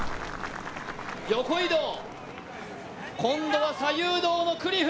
横移動、今度は左右動のクリフ。